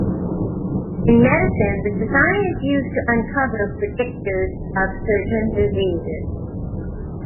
In medicine, the design is used to uncover predictors of certain diseases.